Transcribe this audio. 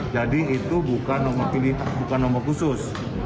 jadi itu bukan nomor khusus